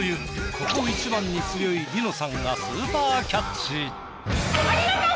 ここ一番に強い梨乃さんがスーパーキャッチ。